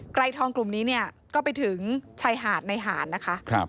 ไกลทองกลุ่มนี้ก็ไปถึงชายหาดในหานนะคะ